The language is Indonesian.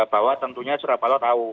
bahwa tentunya surabaya tahu